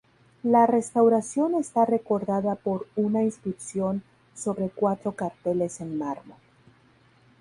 La restauración está recordada por una inscripción sobre cuatro carteles en mármol.